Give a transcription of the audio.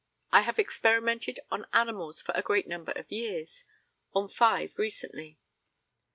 I have experimented on animals for a great number of years: on five recently.